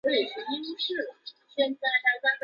该党是欧洲人民党成员。